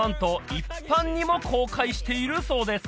一般にも公開しているそうです